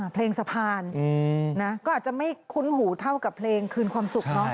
เพลงสะพานก็อาจจะไม่คุ้นหูเท่ากับเพลงคืนความสุขเนอะ